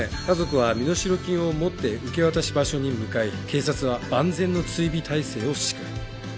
家族は身代金を持って受け渡し場所に向かい警察は万全の追尾態勢を敷く。